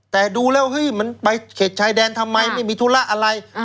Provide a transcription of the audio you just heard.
แต่ดูแล้วเฮ้ยมันไปเข็ดชายแดนทำไมไม่มีธุระอะไร